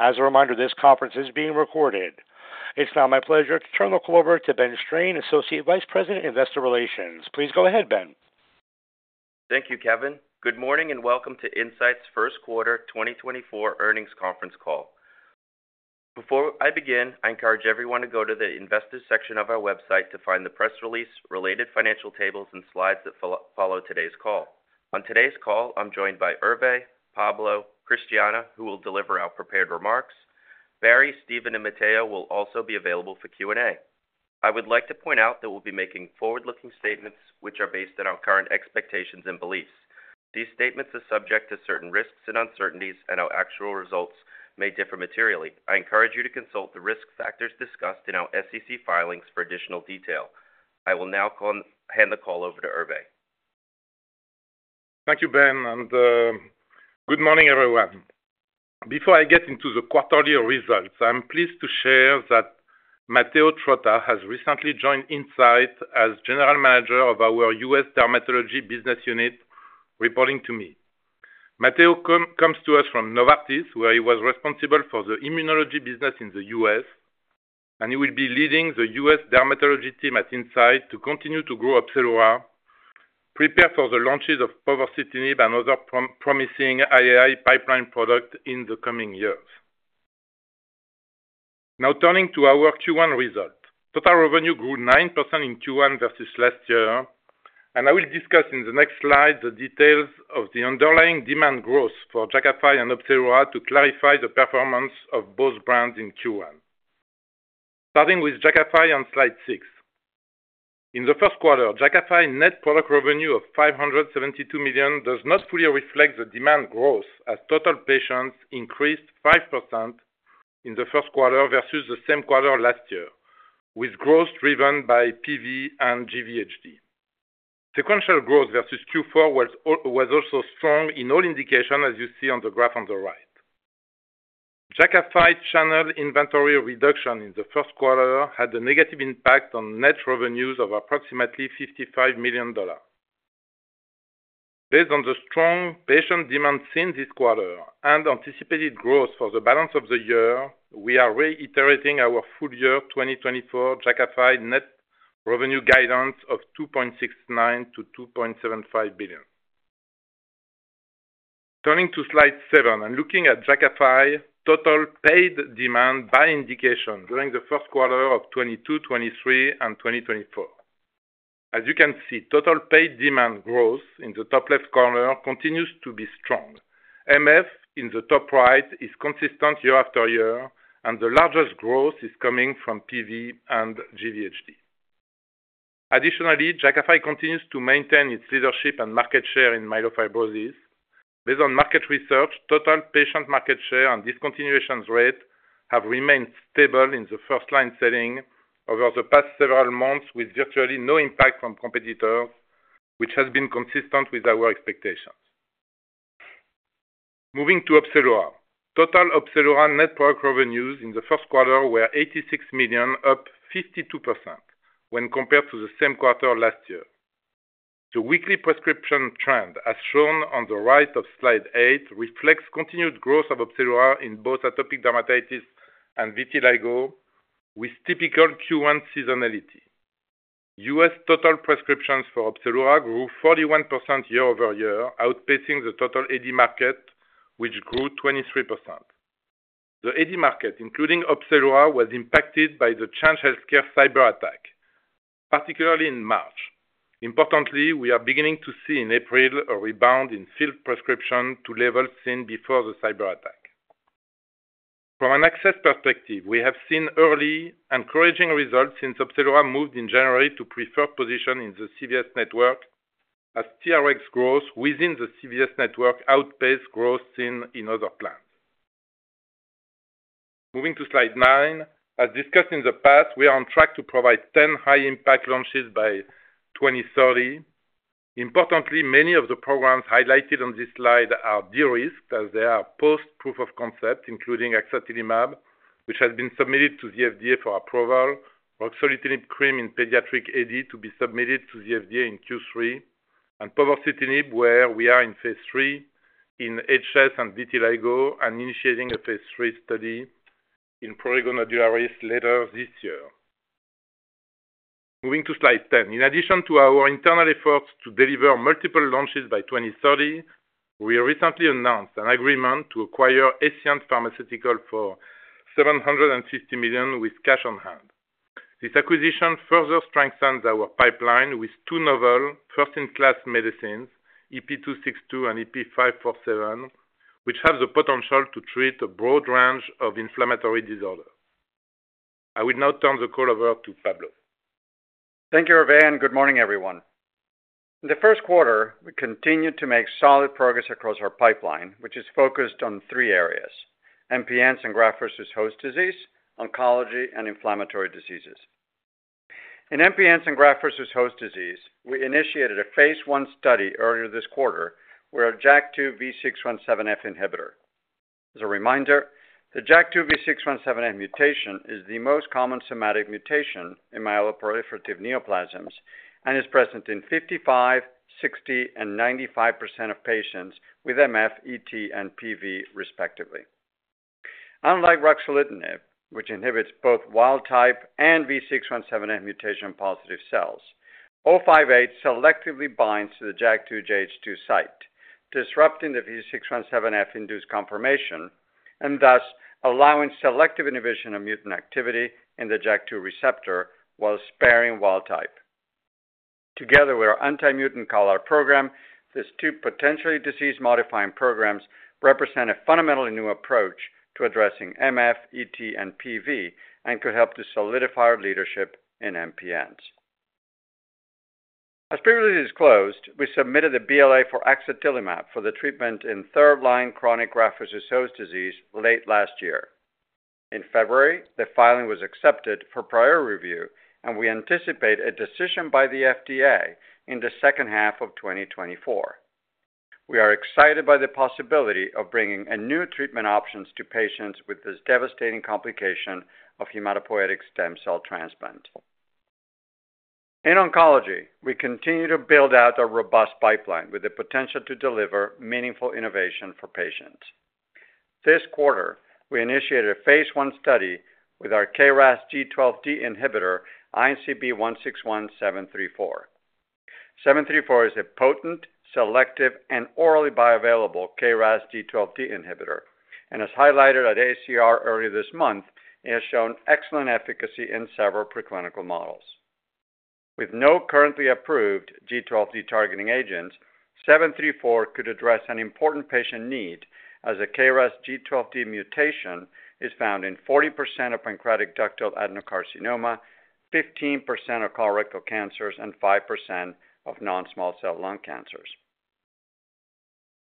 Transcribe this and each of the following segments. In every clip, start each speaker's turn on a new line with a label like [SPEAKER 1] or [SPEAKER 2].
[SPEAKER 1] As a reminder, this conference is being recorded. It's now my pleasure to turn the call over to Ben Strain, Associate Vice President, Investor Relations. Please go ahead, Ben.
[SPEAKER 2] Thank you, Kevin. Good morning, and welcome to Incyte's first quarter 2024 earnings conference call. Before I begin, I encourage everyone to go to the investors section of our website to find the press release, related financial tables, and slides that follow today's call. On today's call, I'm joined by Hervé, Pablo, Cristiana, who will deliver our prepared remarks. Barry, Steven, and Matteo will also be available for Q&A. I would like to point out that we'll be making forward-looking statements, which are based on our current expectations and beliefs. These statements are subject to certain risks and uncertainties, and our actual results may differ materially. I encourage you to consult the risk factors discussed in our SEC filings for additional detail. I will now hand the call over to Hervé.
[SPEAKER 3] Thank you, Ben, and good morning, everyone. Before I get into the quarterly results, I'm pleased to share that Matteo Trotta has recently joined Incyte as General Manager of our U.S. Dermatology Business Unit, reporting to me. Matteo comes to us from Novartis, where he was responsible for the immunology business in the U.S., and he will be leading the U.S. dermatology team at Incyte to continue to grow Opzelura, prepare for the launches of povorcitinib and other promising derm pipeline products in the coming years. Now, turning to our Q1 result. Total revenue grew 9% in Q1 versus last year, and I will discuss in the next slide the details of the underlying demand growth for Jakafi and Opzelura to clarify the performance of both brands in Q1. Starting with Jakafi on Slide 6. In the first quarter, Jakafi net product revenue of $572 million does not fully reflect the demand growth, as total patients increased 5% in the first quarter versus the same quarter last year, with growth driven by PV and GVHD. Sequential growth versus Q4 was also strong in all indications, as you see on the graph on the right. Jakafi channeled inventory reduction in the first quarter had a negative impact on net revenues of approximately $55 million. Based on the strong patient demand seen this quarter and anticipated growth for the balance of the year, we are reiterating our full year 2024 Jakafi net revenue guidance of $2.69 billion-$2.75 billion. Turning to Slide 7, and looking at Jakafi, total paid demand by indication during the first quarter of 2022, 2023, and 2024. As you can see, total paid demand growth in the top left corner continues to be strong. MF, in the top right, is consistent year after year, and the largest growth is coming from PV and GVHD. Additionally, Jakafi continues to maintain its leadership and market share in myelofibrosis. Based on market research, total patient market share and discontinuation rate have remained stable in the first line setting over the past several months, with virtually no impact from competitors, which has been consistent with our expectations. Moving to Opzelura. Total Opzelura net product revenues in the first quarter were $86 million, up 52% when compared to the same quarter last year. The weekly prescription trend, as shown on the right of Slide 8, reflects continued growth of Opzelura in both atopic dermatitis and vitiligo, with typical Q1 seasonality. U.S. total prescriptions for Opzelura grew 41% year-over-year, outpacing the total AD market, which grew 23%. The AD market, including Opzelura, was impacted by the Change Healthcare cyber-attack, particularly in March. Importantly, we are beginning to see in April a rebound in field prescription to levels seen before the cyber-attack. From an access perspective, we have seen early encouraging results since Opzelura moved in January to preferred position in the CVS network, as TRX growth within the CVS network outpaced growth seen in other plans. Moving to Slide 9. As discussed in the past, we are on track to provide 10 high-impact launches by 2030. Importantly, many of the programs highlighted on this slide are de-risked, as they are post-proof of concept, including axatilimab, which has been submitted to the FDA for approval, ruxolitinib cream in pediatric AD to be submitted to the FDA in Q3, and povorcitinib, where we are in phase 3 in HS and vitiligo, and initiating a phase 3 study in prurigo nodularis later this year. Moving to Slide 10. In addition to our internal efforts to deliver multiple launches by 2030, we recently announced an agreement to acquire Escient Pharmaceuticals for $750 million with cash on hand. This acquisition further strengthens our pipeline with two novel first-in-class medicines, EP262 and EP547, which have the potential to treat a broad range of inflammatory disorders. I will now turn the call over to Pablo.
[SPEAKER 4] Thank you, Hervé, and good morning, everyone. In the first quarter, we continued to make solid progress across our pipeline, which is focused on three areas: MPNs and graft-versus-host disease, oncology, and inflammatory diseases. In MPNs and graft-versus-host disease, we initiated a phase I study earlier this quarter with a JAK2 V617F inhibitor. As a reminder, the JAK2 V617F mutation is the most common somatic mutation in myeloproliferative neoplasms and is present in 55%, 60%, and 95% of patients with MF, ET, and PV respectively. Unlike ruxolitinib, which inhibits both wild type and V617F mutation-positive cells, INCB160058 selectively binds to the JAK2/JH2 site, disrupting the V617F-induced conformation, and thus allowing selective inhibition of mutant activity in the JAK2 receptor while sparing wild type. Together with our anti-mutant CALR program, these two potentially disease-modifying programs represent a fundamentally new approach to addressing MF, ET, and PV, and could help to solidify our leadership in MPNs. As previously disclosed, we submitted a BLA for axatilimab for the treatment in third line chronic graft-versus-host disease late last year. In February, the filing was accepted for prior review, and we anticipate a decision by the FDA in the second half of 2024. We are excited by the possibility of bringing a new treatment options to patients with this devastating complication of hematopoietic stem cell transplant. In oncology, we continue to build out a robust pipeline with the potential to deliver meaningful innovation for patients. This quarter, we initiated a phase I study with our KRAS G12D inhibitor, INCB161734. INCB161734 is a potent, selective, and orally bioavailable KRAS G12D inhibitor, and as highlighted at AACR earlier this month, it has shown excellent efficacy in several preclinical models. With no currently approved G12D targeting agents, INCB161734 could address an important patient need, as a KRAS G12D mutation is found in 40% of pancreatic ductal adenocarcinoma, 15% of colorectal cancers, and 5% of non-small cell lung cancers.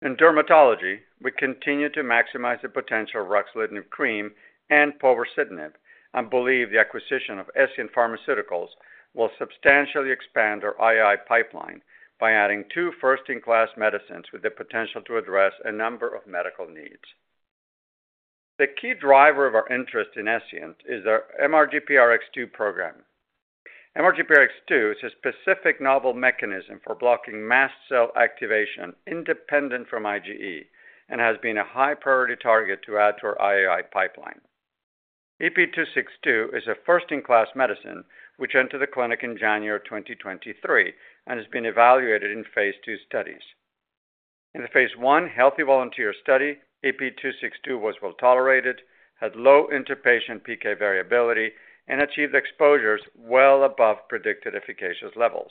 [SPEAKER 4] In dermatology, we continue to maximize the potential of ruxolitinib cream and povorcitinib, and believe the acquisition of Escient Pharmaceuticals will substantially expand our I&I pipeline by adding two first-in-class medicines with the potential to address a number of medical needs. The key driver of our interest in Escient is our MRGPRX2 program. MRGPRX2 is a specific novel mechanism for blocking mast cell activation independent from IgE, and has been a high-priority target to add to our II pipeline. EP262 is a first-in-class medicine, which entered the clinic in January 2023 and has been evaluated in phase II studies. In the phase I healthy volunteer study, EP262 was well-tolerated, had low interpatient PK variability, and achieved exposures well above predicted efficacious levels.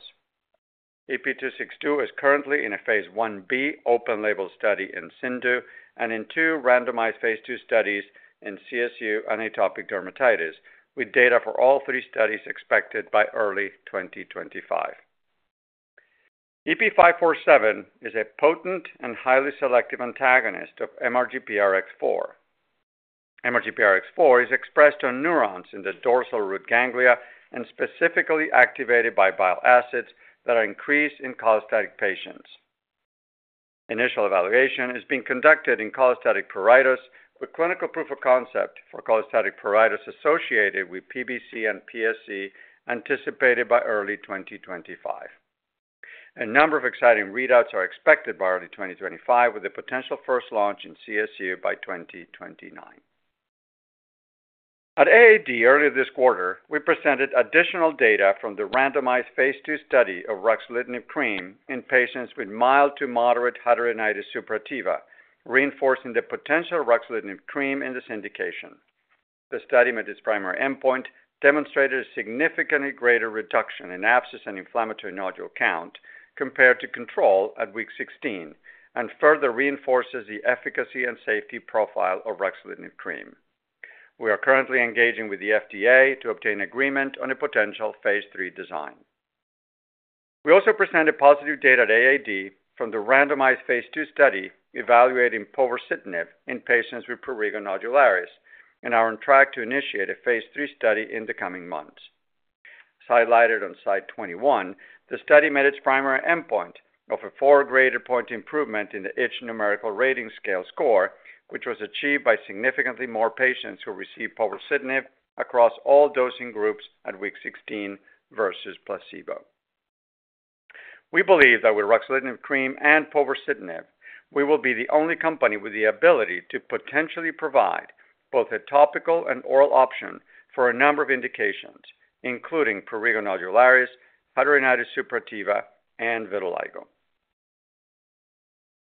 [SPEAKER 4] EP262 is currently in a phase IB open label study in PN and in two randomized phase II studies in CSU and atopic dermatitis, with data for all three studies expected by early 2025. EP547 is a potent and highly selective antagonist of MRGPRX4. MRGPRX4 is expressed on neurons in the dorsal root ganglia and specifically activated by bile acids that are increased in cholestatic patients. Initial evaluation is being conducted in cholestatic pruritus, with clinical proof of concept for cholestatic pruritus associated with PBC and PSC anticipated by early 2025. A number of exciting readouts are expected by early 2025, with a potential first launch in CSU by 2029. At AAD, earlier this quarter, we presented additional data from the randomized phase II study of ruxolitinib cream in patients with mild to moderate hidradenitis suppurativa, reinforcing the potential ruxolitinib cream in this indication. The study met its primary endpoint, demonstrated a significantly greater reduction in abscess and inflammatory nodule count compared to control at week 16, and further reinforces the efficacy and safety profile of ruxolitinib cream. We are currently engaging with the FDA to obtain agreement on a potential phase III design. We also presented positive data at AAD from the randomized phase II study evaluating povorcitinib in patients with prurigo nodularis, and are on track to initiate a phase III study in the coming months. Highlighted on slide 21, the study met its primary endpoint of a four-point endpoint improvement in the itch numerical rating scale score, which was achieved by significantly more patients who received povorcitinib across all dosing groups at week 16 versus placebo. We believe that with ruxolitinib cream and povorcitinib, we will be the only company with the ability to potentially provide both a topical and oral option for a number of indications, including prurigo nodularis, hidradenitis suppurativa, and vitiligo.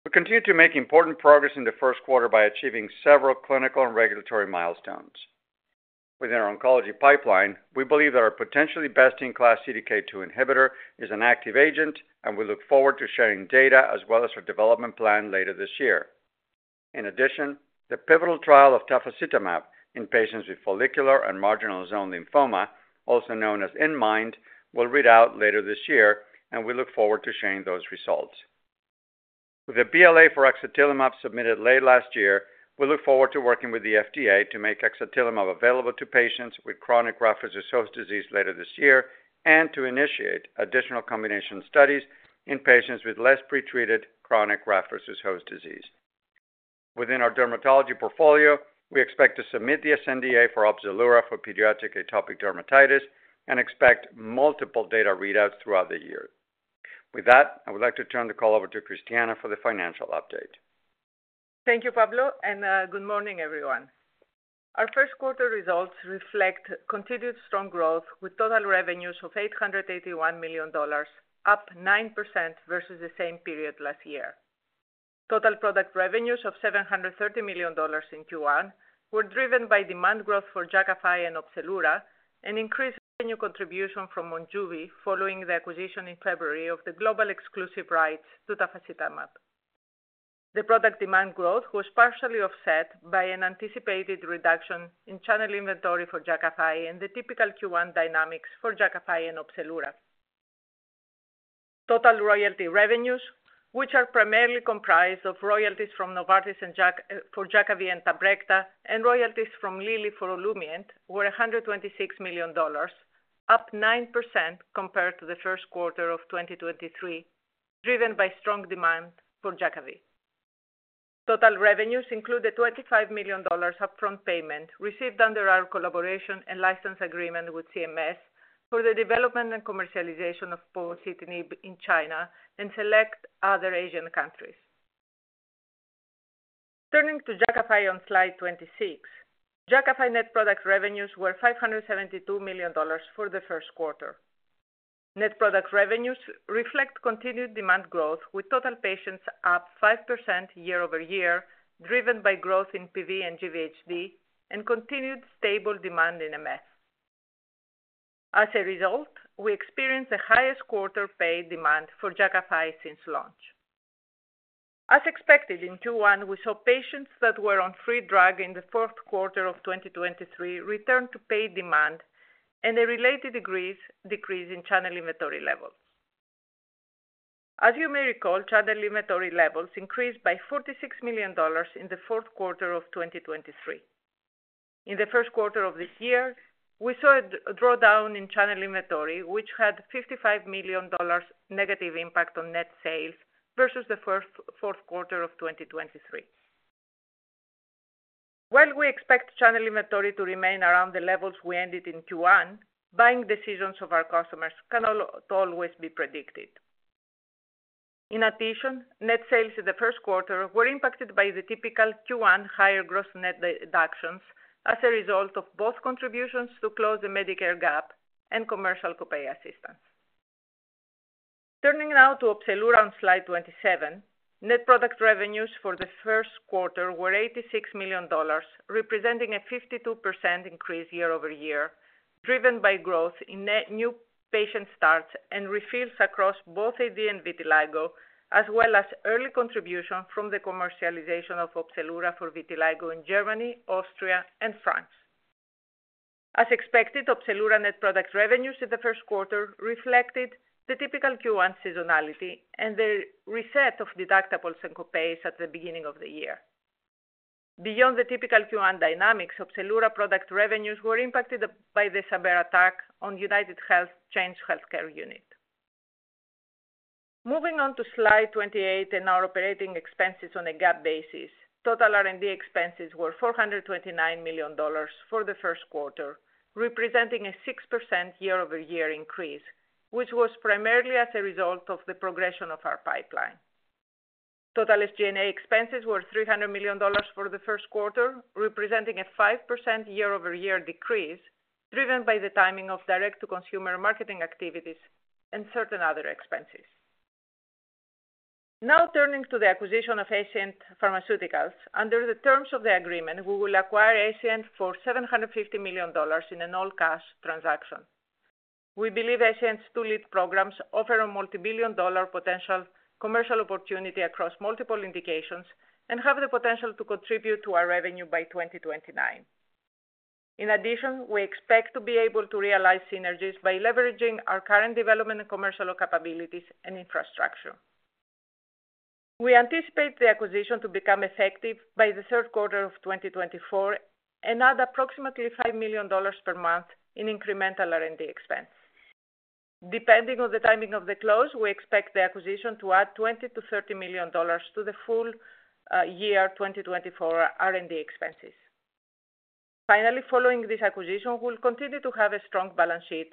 [SPEAKER 4] We continued to make important progress in the first quarter by achieving several clinical and regulatory milestones. Within our oncology pipeline, we believe that our potentially best-in-class CDK2 inhibitor is an active agent, and we look forward to sharing data as well as our development plan later this year. In addition, the pivotal trial of tafasitamab in patients with follicular and marginal zone lymphoma, also known as INMIND, will read out later this year, and we look forward to sharing those results. With the BLA for axatilimab submitted late last year, we look forward to working with the FDA to make axatilimab available to patients with chronic graft-versus-host disease later this year, and to initiate additional combination studies in patients with less pretreated chronic graft-versus-host disease. Within our dermatology portfolio, we expect to submit the sNDA for Opzelura for pediatric atopic dermatitis and expect multiple data readouts throughout the year. With that, I would like to turn the call over to Christiana for the financial update.
[SPEAKER 5] Thank you, Pablo, and good morning, everyone. Our first quarter results reflect continued strong growth, with total revenues of $881 million, up 9% versus the same period last year. Total product revenues of $730 million in Q1 were driven by demand growth for Jakafi and Opzelura, and increased revenue contribution from Monjuvi, following the acquisition in February of the global exclusive rights to tafasitamab. The product demand growth was partially offset by an anticipated reduction in channel inventory for Jakafi and the typical Q1 dynamics for Jakafi and Opzelura. Total royalty revenues, which are primarily comprised of royalties from Novartis for Jakavi and Tabrecta, and royalties from Lilly for Olumiant, were $126 million, up 9% compared to the first quarter of 2023, driven by strong demand for Jakavi. Total revenues include the $25 million upfront payment received under our collaboration and license agreement with CMS for the development and commercialization of povorcitinib in China and select other Asian countries. Turning to Jakafi on slide 26. Jakafi net product revenues were $572 million for the first quarter. Net product revenues reflect continued demand growth, with total patients up 5% year-over-year, driven by growth in PV and GVHD, and continued stable demand in MF. As a result, we experienced the highest quarter paid demand for Jakafi since launch. As expected, in Q1, we saw patients that were on free drug in the fourth quarter of 2023 return to paid demand and a related decrease in channel inventory levels. As you may recall, channel inventory levels increased by $46 million in the fourth quarter of 2023. In the first quarter of this year, we saw a drawdown in channel inventory, which had $55 million negative impact on net sales versus the fourth quarter of 2023. While we expect channel inventory to remain around the levels we ended in Q1, buying decisions of our customers cannot always be predicted. In addition, net sales in the first quarter were impacted by the typical Q1 higher gross net deductions as a result of both contributions to close the Medicare gap and commercial copay assistance. Turning now to Opzelura on slide 27. Net product revenues for the first quarter were $86 million, representing a 52% increase year-over-year, driven by growth in net new patient starts and refills across both AD and vitiligo, as well as early contribution from the commercialization of Opzelura for vitiligo in Germany, Austria, and France. As expected, Opzelura net product revenues in the first quarter reflected the typical Q1 seasonality and the reset of deductibles and copays at the beginning of the year. Beyond the typical Q1 dynamics, Opzelura product revenues were impacted by the cyberattack on UnitedHealth's Change Healthcare unit. Moving on to slide 28 and our operating expenses on a GAAP basis. Total R&D expenses were $429 million for the first quarter, representing a 6% year-over-year increase, which was primarily as a result of the progression of our pipeline. Total SG&A expenses were $300 million for the first quarter, representing a 5% year-over-year decrease, driven by the timing of direct-to-consumer marketing activities and certain other expenses. Now, turning to the acquisition of Escient Pharmaceuticals. Under the terms of the agreement, we will acquire Escient for $750 million in an all-cash transaction. We believe Escient's two lead programs offer a multibillion-dollar potential commercial opportunity across multiple indications and have the potential to contribute to our revenue by 2029. In addition, we expect to be able to realize synergies by leveraging our current development and commercial capabilities and infrastructure. We anticipate the acquisition to become effective by the third quarter of 2024 and add approximately $5 million per month in incremental R&D expense. Depending on the timing of the close, we expect the acquisition to add $20 million-$30 million to the full year 2024 R&D expenses. Finally, following this acquisition, we'll continue to have a strong balance sheet,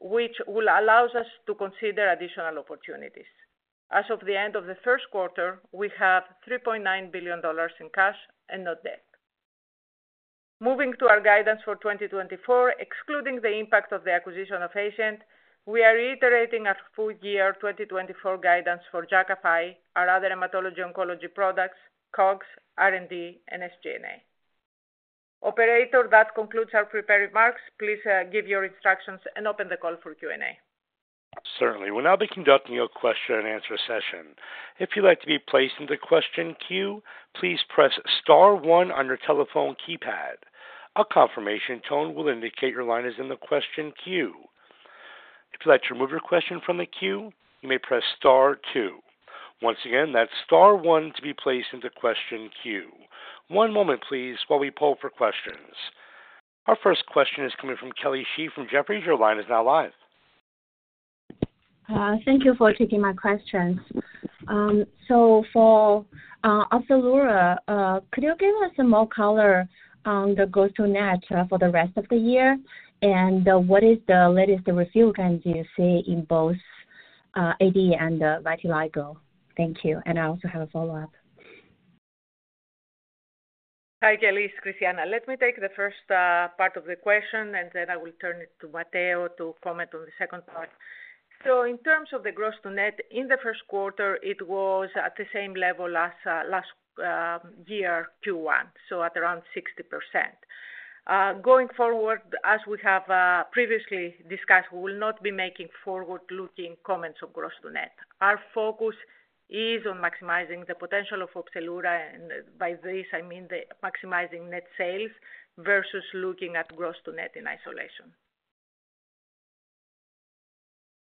[SPEAKER 5] which will allow us to consider additional opportunities. As of the end of the first quarter, we have $3.9 billion in cash and no debt. Moving to our guidance for 2024, excluding the impact of the acquisition of Escient, we are reiterating our full year 2024 guidance for Jakafi, our other hematology oncology products, COGS, R&D, and SG&A. Operator, that concludes our prepared remarks. Please, give your instructions and open the call for Q&A.
[SPEAKER 1] Certainly. We'll now be conducting a question-and-answer session. If you'd like to be placed into question queue, please press star one on your telephone keypad. A confirmation tone will indicate your line is in the question queue. If you'd like to remove your question from the queue, you may press star two. Once again, that's star one to be placed into question queue. One moment, please, while we poll for questions. Our first question is coming from Kelly Shi from Jefferies. Your line is now live.
[SPEAKER 6] Thank you for taking my questions. So for Opzelura, could you give us some more color on the gross-to-net for the rest of the year? And what is the latest refill trends you see in both AD and vitiligo? Thank you, and I also have a follow-up.
[SPEAKER 5] Hi, Kelly, Christiana, let me take the first part of the question, and then I will turn it to Matteo to comment on the second part. So in terms of the gross to net, in the first quarter, it was at the same level last year, Q1, so at around 60%. Going forward, as we have previously discussed, we will not be making forward-looking comments on gross to net. Our focus is on maximizing the potential of Opzelura, and by this, I mean the maximizing net sales versus looking at gross to net in isolation.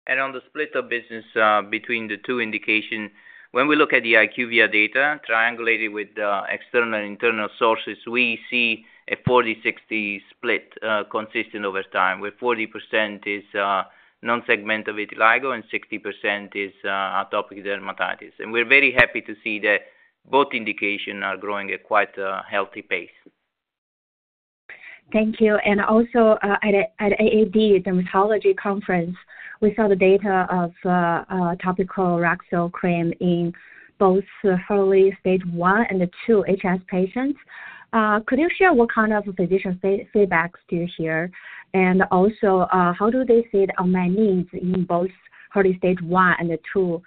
[SPEAKER 7] On the split of business between the two indications, when we look at the IQVIA data, triangulated with external and internal sources, we see a 40/60 split, consistent over time, with 40% is nonsegmental vitiligo and 60% is atopic dermatitis. And we're very happy to see that both indications are growing at quite a healthy pace.
[SPEAKER 6] Thank you. And also, at AAD Dermatology Conference, we saw the data of, topical ruxolitinib cream in both early Stage 1 and the 2 HS patients. Could you share what kind of physician feedback do you hear? And also, how do they see the unmet needs in both early Stage 1 and the 2,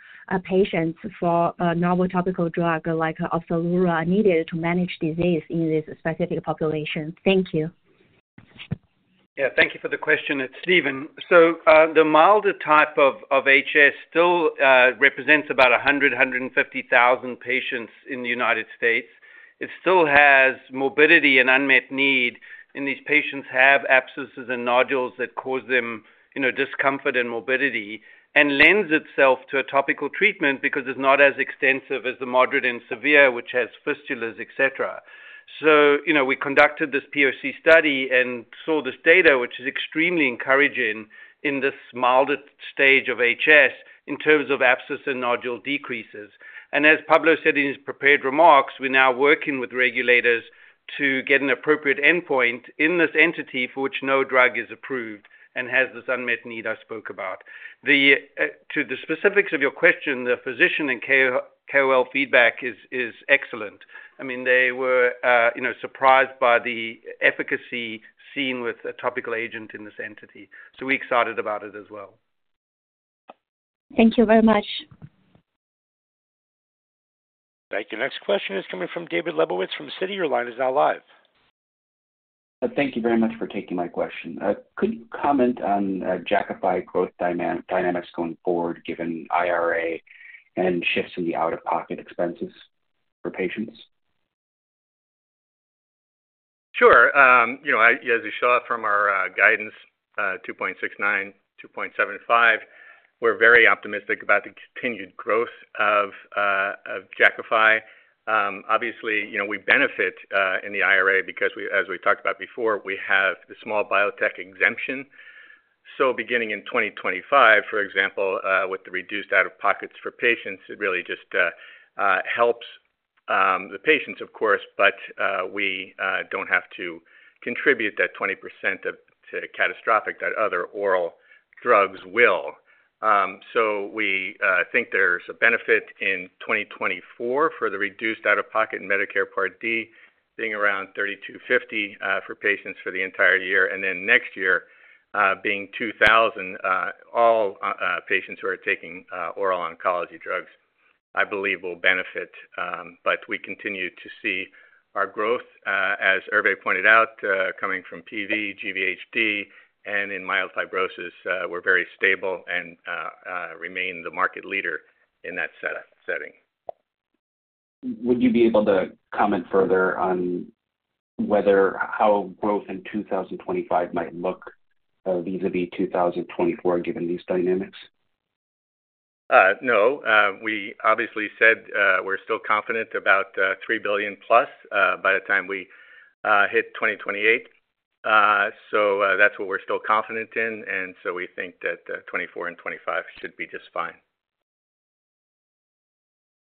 [SPEAKER 6] patients for, normal topical drug like Opzelura are needed to manage disease in this specific population? Thank you.
[SPEAKER 8] Yeah, thank you for the question. It's Steven. So, the milder type of HS still represents about 150,000 patients in the United States. It still has morbidity and unmet need, and these patients have abscesses and nodules that cause them, you know, discomfort and morbidity, and lends itself to a topical treatment because it's not as extensive as the moderate and severe, which has fistulas, et cetera. So, you know, we conducted this POC study and saw this data, which is extremely encouraging in this milder stage of HS in terms of abscess and nodule decreases. And as Pablo said in his prepared remarks, we're now working with regulators to get an appropriate endpoint in this entity for which no drug is approved and has this unmet need I spoke about. To the specifics of your question, the physician and KOL feedback is excellent. I mean, they were, you know, surprised by the efficacy seen with a topical agent in this entity, so we're excited about it as well.
[SPEAKER 6] Thank you very much.
[SPEAKER 1] Thank you. Next question is coming from David Lebowitz from Citi. Your line is now live.
[SPEAKER 9] Thank you very much for taking my question. Could you comment on Jakafi growth dynamics going forward, given IRA and shifts in the out-of-pocket expenses for patients?
[SPEAKER 10] Sure. You know, I, as you saw from our guidance, 2.69-2.75, we're very optimistic about the continued growth of Jakafi. Obviously, you know, we benefit in the IRA because we, as we talked about before, we have the small biotech exemption. So beginning in 2025, for example, with the reduced out-of-pockets for patients, it really just helps the patients, of course, but we don't have to contribute that 20% of, to catastrophic that other oral drugs will. So we think there's a benefit in 2024 for the reduced out-of-pocket in Medicare Part D, being around $3,250 for patients for the entire year, and then next year, being $2,000, all patients who are taking oral oncology drugs, I believe, will benefit. But we continue to see our growth, as Hervé pointed out, coming from PV, GVHD and in mild fibrosis, we're very stable and remain the market leader in that setting.
[SPEAKER 9] Would you be able to comment further on whether how growth in 2025 might look, vis-a-vis 2024, given these dynamics?
[SPEAKER 10] No. We obviously said, we're still confident about $3 billion plus by the time we hit 2028. So, that's what we're still confident in, and so we think that 2024 and 2025 should be just fine.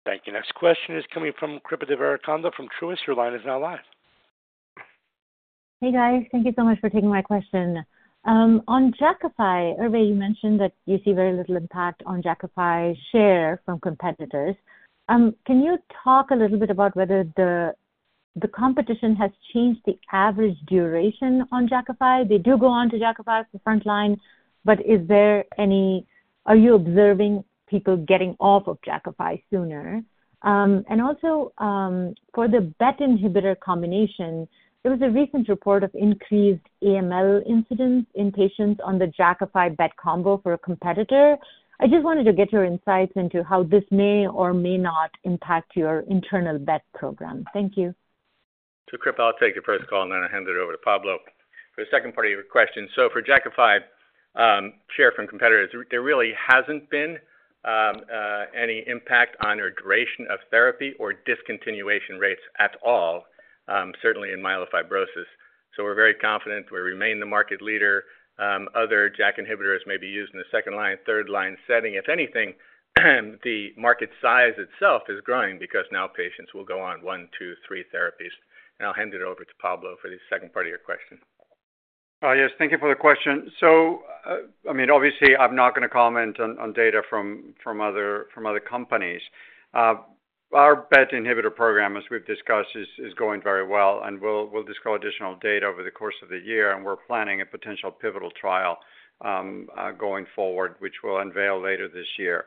[SPEAKER 1] Thank you. Next question is coming from Kripa Devarakonda from Truist. Your line is now live.
[SPEAKER 11] Hey, guys. Thank you so much for taking my question. On Jakafi, Hervé, you mentioned that you see very little impact on Jakafi share from competitors. Can you talk a little bit about whether the competition has changed the average duration on Jakafi? They do go on to Jakafi as the frontline, but is there any, are you observing people getting off of Jakafi sooner? And also, for the BET inhibitor combination, there was a recent report of increased AML incidents in patients on the Jakafi BET combo for a competitor. I just wanted to get your insights into how this may or may not impact your internal BET program. Thank you.
[SPEAKER 3] So Kripa, I'll take the first call, and then I'll hand it over to Pablo for the second part of your question. So for Jakafi, share from competitors, there really hasn't been any impact on our duration of therapy or discontinuation rates at all, certainly in myelofibrosis. So we're very confident we remain the market leader. Other JAK inhibitors may be used in the second line, third line setting. If anything, the market size itself is growing because now patients will go on one, two, three therapies. And I'll hand it over to Pablo for the second part of your question.
[SPEAKER 4] Oh, yes, thank you for the question. So, I mean, obviously, I'm not gonna comment on data from other companies. Our BET inhibitor program, as we've discussed, is going very well, and we'll discuss additional data over the course of the year, and we're planning a potential pivotal trial, going forward, which we'll unveil later this year.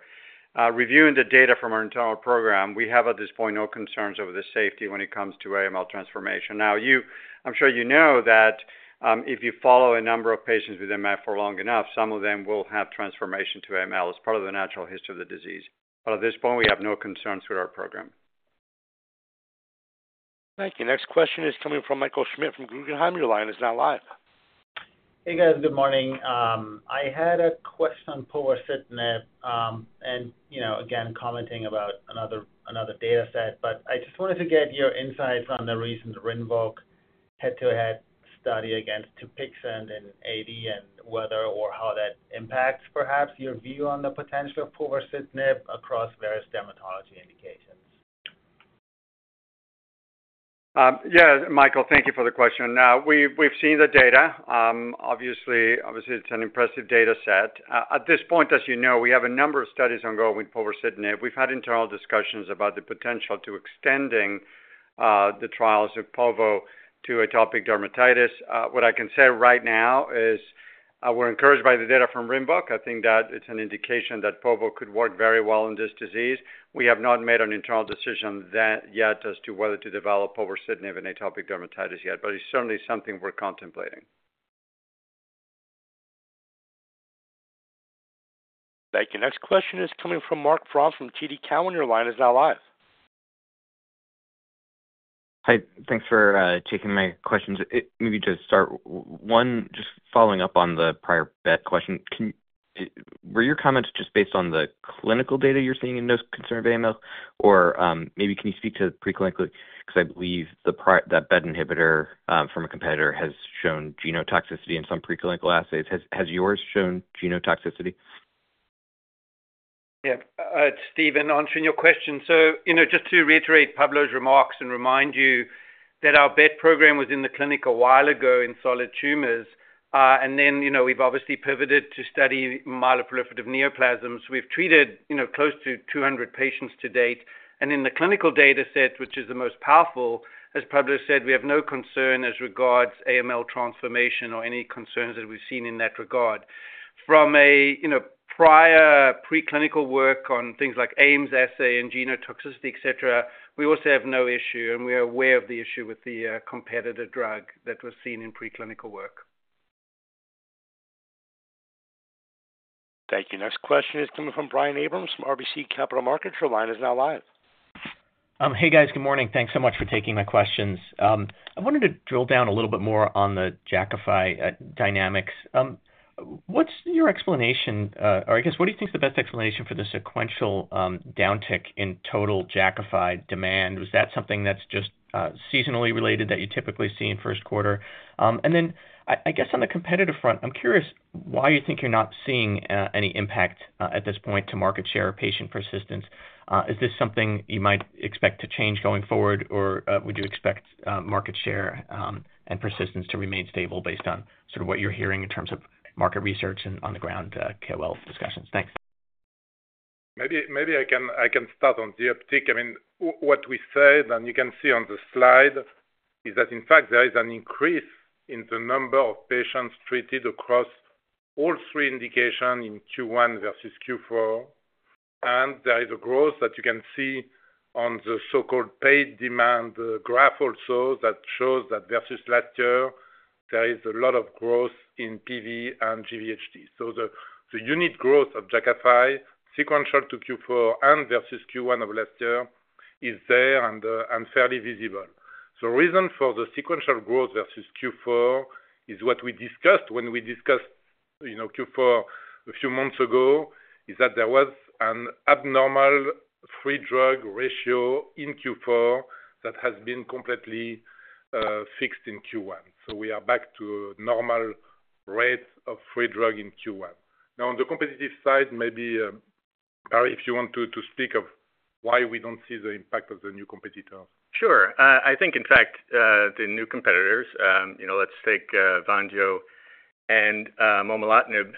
[SPEAKER 4] Reviewing the data from our internal program, we have, at this point, no concerns over the safety when it comes to AML transformation. Now you- I'm sure you know that, if you follow a number of patients with MF for long enough, some of them will have transformation to AML as part of the natural history of the disease. But at this point, we have no concerns with our program.
[SPEAKER 1] Thank you. Next question is coming from Michael Schmidt from Guggenheim. Your line is now live.
[SPEAKER 12] Hey, guys. Good morning. I had a question on povorcitinib, and, you know, again, commenting about another data set. But I just wanted to get your insights on the recent Rinvoq head-to-head study against Dupixent and AD, and whether or how that impacts perhaps your view on the potential of povorcitinib across various dermatology indications.
[SPEAKER 4] Yeah, Michael, thank you for the question. We've, we've seen the data. Obviously, obviously it's an impressive data set. At this point, as you know, we have a number of studies ongoing with povorcitinib. We've had internal discussions about the potential to extending the trials of povo to atopic dermatitis. What I can say right now is, we're encouraged by the data from Rinvoq. I think that it's an indication that povo could work very well in this disease. We have not made an internal decision that yet as to whether to develop povorcitinib in atopic dermatitis yet, but it's certainly something we're contemplating.
[SPEAKER 1] Thank you. Next question is coming from Marc Frahm from TD Cowen. Your line is now live.
[SPEAKER 13] Hi, thanks for taking my questions. Maybe to start, one, just following up on the prior BET question, can were your comments just based on the clinical data you're seeing in those concerned AML, or maybe can you speak to preclinically? Because I believe that BET inhibitor from a competitor has shown genotoxicity in some preclinical assays. Has yours shown genotoxicity?
[SPEAKER 8] Yeah. It's Steven answering your question. So, you know, just to reiterate Pablo's remarks and remind you that our BET program was in the clinic a while ago in solid tumors, and then, you know, we've obviously pivoted to study myeloproliferative neoplasms. We've treated, you know, close to 200 patients to date, and in the clinical data set, which is the most powerful, as Pablo said, we have no concern as regards AML transformation or any concerns that we've seen in that regard. From a, you know, prior preclinical work on things like Ames assay and genotoxicity, et cetera, we also have no issue, and we are aware of the issue with the competitive drug that was seen in preclinical work.
[SPEAKER 1] Thank you. Next question is coming from Brian Abrahams from RBC Capital Markets. Your line is now live.
[SPEAKER 14] Hey, guys. Good morning. Thanks so much for taking my questions. I wanted to drill down a little bit more on the Jakafi dynamics. What's your explanation, or I guess, what do you think is the best explanation for the sequential downtick in total Jakafi demand? Was that something that's just seasonally related that you typically see in first quarter? And then I guess on the competitive front, I'm curious why you think you're not seeing any impact at this point to market share or patient persistence. Is this something you might expect to change going forward, or would you expect market share and persistence to remain stable based on sort of what you're hearing in terms of market research and on the ground KOL discussions? Thanks.
[SPEAKER 4] Maybe I can start on the uptick. I mean, what we said, and you can see on the slide, is that in fact there is an increase in the number of patients treated across all three indications in Q1 versus Q4, and there is a growth that you can see on the so-called paid demand graph also, that shows that versus last year, there is a lot of growth in PV and GVHD. So the unique growth of Jakafi, sequential to Q4 and versus Q1 of last year, is there and fairly visible. The reason for the sequential growth versus Q4 is what we discussed when we discussed, you know, Q4 a few months ago, is that there was an abnormal free drug ratio in Q4 that has been completely fixed in Q1. We are back to normal rate of free drug in Q1. Now, on the competitive side, maybe, Barry, if you want to speak of why we don't see the impact of the new competitors.
[SPEAKER 10] Sure. I think in fact, the new competitors, you know, let's take, Vonjo and, momelotinib,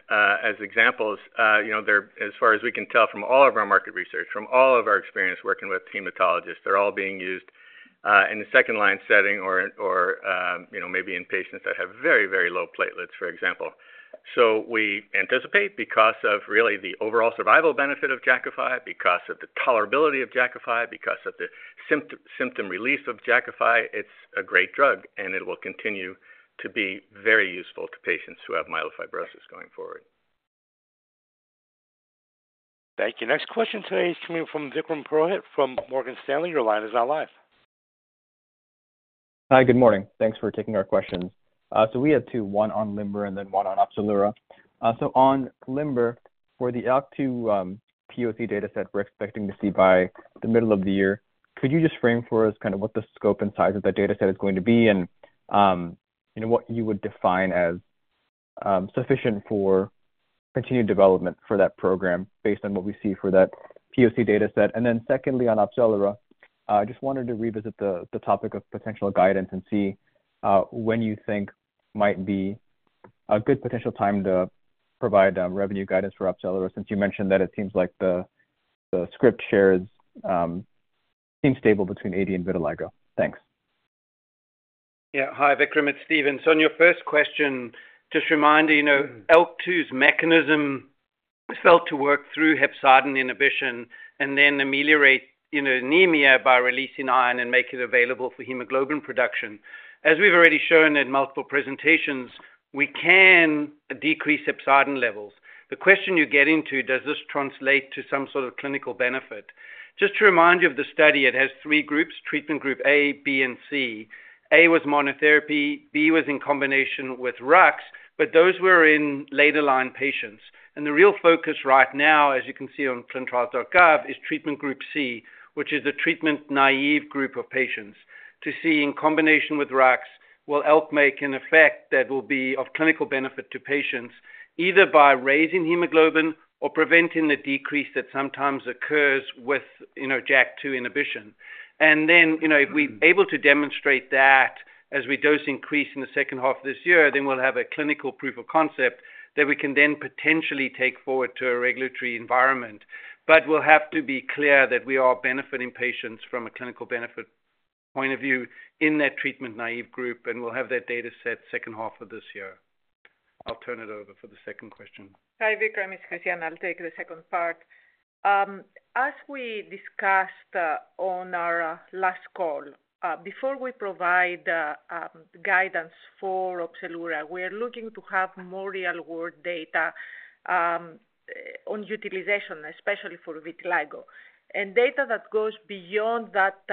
[SPEAKER 10] as examples. You know, they're, as far as we can tell from all of our market research, from all of our experience working with hematologists, they're all being used, in a second line setting or, or, you know, maybe in patients that have very, very low platelets, for example. So we anticipate, because of really the overall survival benefit of Jakafi, because of the tolerability of Jakafi, because of the symptom, symptom relief of Jakafi, it's a great drug, and it will continue to be very useful to patients who have myelofibrosis going forward.
[SPEAKER 1] Thank you. Next question today is coming from Vikram Purohit from Morgan Stanley. Your line is now live.
[SPEAKER 15] Hi, good morning. Thanks for taking our questions. So we have two, one on LIMBER and then one on Opzelura. So on LIMBER, for the ALK2, POC data set we're expecting to see by the middle of the year, could you just frame for us kind of what the scope and size of that data set is going to be, and, you know, what you would define as sufficient for continued development for that program based on what we see for that POC data set? And then secondly, on Opzelura, just wanted to revisit the, the topic of potential guidance and see, when you think might be a good potential time to provide, revenue guidance for Opzelura, since you mentioned that it seems like the, the script shares, seem stable between AD and vitiligo. Thanks.
[SPEAKER 8] Yeah. Hi, Vikram, it's Steven. So on your first question, just a reminder, you know, ALK2's mechanism is felt to work through hepcidin inhibition and then ameliorate, you know, anemia by releasing iron and make it available for hemoglobin production. As we've already shown in multiple presentations, we can decrease hepcidin levels. The question you get into: Does this translate to some sort of clinical benefit? Just to remind you of the study, it has three groups, treatment group A, B, and C. A was monotherapy, B was in combination with RUX, but those were in later line patients. The real focus right now, as you can see on clinicaltrials.gov, is treatment group C, which is a treatment-naive group of patients, to see in combination with RUX, will help make an effect that will be of clinical benefit to patients, either by raising hemoglobin or preventing the decrease that sometimes occurs with, you know, JAK2 inhibition. Then, you know, if we're able to demonstrate that as we dose increase in the second half of this year, then we'll have a clinical proof of concept that we can then potentially take forward to a regulatory environment. But we'll have to be clear that we are benefiting patients from a clinical benefit point of view in that treatment-naive group, and we'll have that data set second half of this year. I'll turn it over for the second question.
[SPEAKER 5] Hi, Vikram, it's Christiana. I'll take the second part. As we discussed on our last call, before we provide guidance for Opzelura, we are looking to have more real-world data on utilization, especially for vitiligo, and data that goes beyond that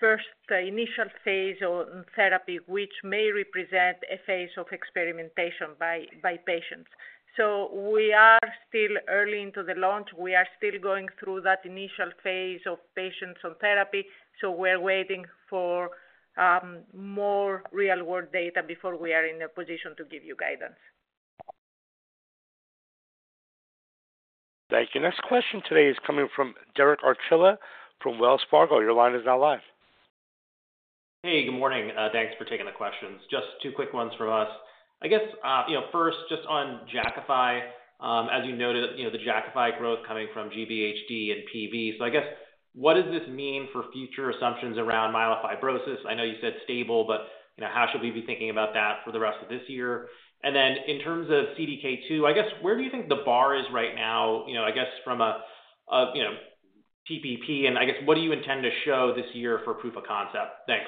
[SPEAKER 5] first initial phase on therapy, which may represent a phase of experimentation by patients. So we are still early into the launch. We are still going through that initial phase of patients on therapy, so we're waiting for more real-world data before we are in a position to give you guidance.
[SPEAKER 1] Thank you. Next question today is coming from Derek Archilla from Wells Fargo. Your line is now live.
[SPEAKER 16] Hey, good morning. Thanks for taking the questions. Just two quick ones from us. I guess, you know, first, just on Jakafi, as you noted, you know, the Jakafi growth coming from cGVHD and PV. So I guess, what does this mean for future assumptions around myelofibrosis? I know you said stable, but, you know, how should we be thinking about that for the rest of this year? And then in terms of CDK2, I guess, where do you think the bar is right now, you know, I guess from a, you know, TPP, and I guess, what do you intend to show this year for proof of concept? Thanks.